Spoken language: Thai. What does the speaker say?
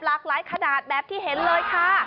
หลากหลายขนาดแบบที่เห็นเลยค่ะ